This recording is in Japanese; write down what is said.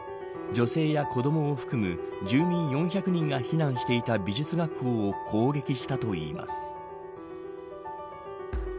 女性や子どもを含む住民４００人が避難していた美術学校を攻撃したといいます。